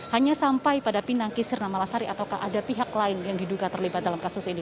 hanya sampai pada pinangki sirna malasari ataukah ada pihak lain yang diduga terlibat dalam kasus ini